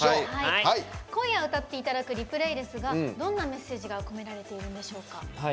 今夜、歌っていただく「Ｒｅｐｌａｙ」ですがどんなメッセージが込められているんでしょうか？